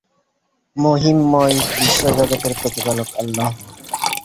মহিমময় বিশ্বজগতের প্রতিপালক আল্লাহ্।